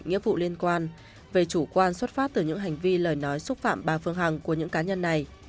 nghĩa vụ liên quan về chủ quan xuất phát từ những hành vi lời nói xúc phạm bà phương hằng của những cá nhân này